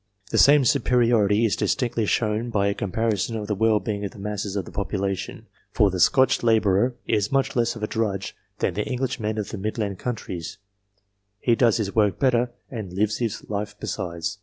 The same superiority is dis tinctly shown by a comparison of the well being of the masses of the population ; for the Scotch labourer is much less of a drudge than the Englishman of the Midland counties he does his work Jjetter^and " lives his life " besides.